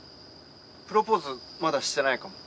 プロポーズまだしてないかも。